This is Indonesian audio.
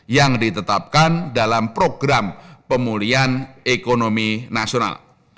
yang ditetapkan dalam program pemulihan ekonomi nasional